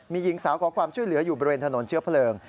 มีหญิงสาวขอความช่วยเหลืออยู่บริเวณถนนเชื้อเพลิง